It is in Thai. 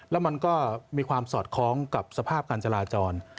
แล้วมันก็มีความสอดคล้องกับสภาพการจราจร